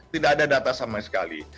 tidak ada data sama sekali